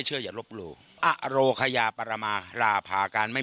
เห็นเป็นยังไงล่ะคะคาถา